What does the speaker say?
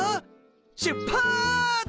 しゅっぱつ！